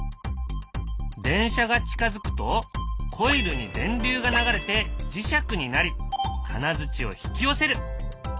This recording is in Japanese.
電車が近づくとコイルに電流が流れて磁石になり金づちを引き寄せる。